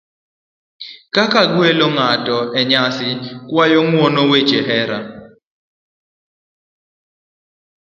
kaka gwelo ng'ato e nyasi, kuayo ng'uono, weche hera,